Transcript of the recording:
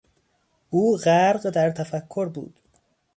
او غرق در تفکر بود.